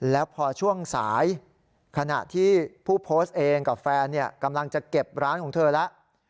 แล้วพอช่วงสายขณะที่ผู้โพสต์เองกับแฟนกำลังจะเก็บร้านของเธอแล้ว